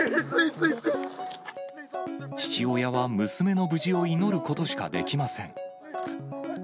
父親は娘の無事を祈ることしかできません。